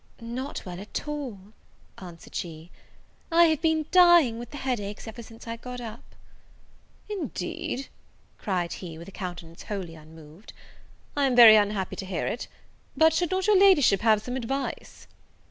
"Not well at all," answered she; "I have been dying with the head ache ever since I got up." "Indeed!" cried he, with a countenance wholly unmoved, "I am very unhappy to hear it. But should not your Ladyship have some advice?"